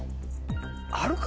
あるか？